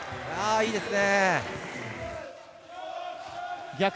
いいですね。